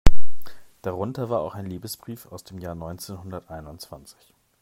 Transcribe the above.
Darunter war auch ein Liebesbrief aus dem Jahr neunzehnhunderteinundzwanzig.